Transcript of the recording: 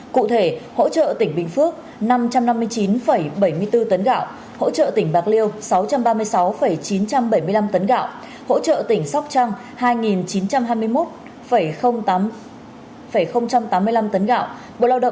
cụ thể hỗ trợ tỉnh bình phước năm trăm năm mươi chín bảy mươi bốn tấn gạo hỗ trợ tỉnh bạc liêu sáu trăm ba mươi sáu chín trăm bảy mươi năm tấn gạo hỗ trợ tỉnh sóc trăng hai chín trăm hai mươi một tám mươi năm tấn gạo